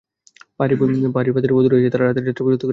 পাহাড়ী ফাঁদের অদুরে এসে তারা রাতের যাত্রাবিরতি করে।